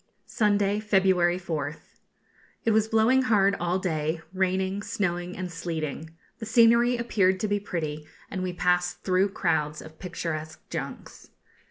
Sunday, February 4th. It was blowing hard all day, raining, snowing, and sleeting. The scenery appeared to be pretty, and we passed through crowds of picturesque junks.